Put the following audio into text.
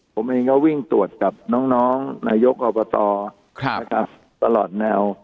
ผมเองก็วิ่งตรวจกับน้องนายกอบตตลอดแนว